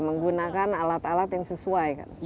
menggunakan alat alat yang sesuai